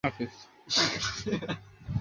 তখন এক বা উভয় সম্পূর্ণ ধ্বংস হয়ে যায়।